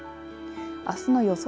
あすの予想